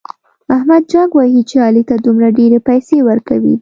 احمد جک وهي چې علي ته دومره ډېرې پيسې ورکوي.